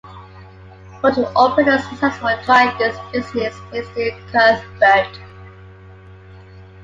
Wood operated a successful dry goods business based in Cuthbert.